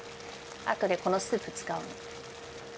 あとでこのスープ使うの。